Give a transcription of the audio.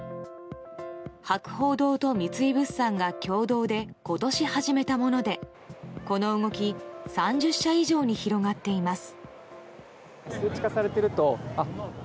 博報堂と三井物産が共同で今年始めたものでこの動き３０社以上に広がっています。